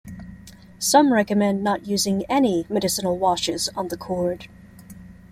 Some recommend not using any medicinal washes on the cord.